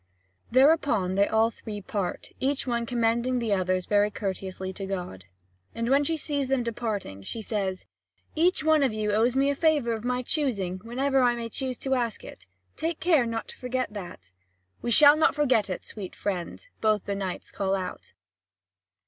Thereupon, they all three part, each one commending the others very courteously to God. And when she sees them departing, she says: "Each one of you owes me a favour of my choosing, whenever I may choose to ask it. Take care not to forget that." "We shall surely not forget it, sweet friend," both the knights call out.